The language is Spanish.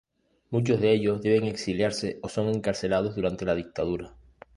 Muchos de ellos deben exiliarse o son encarcelados durante la Dictadura.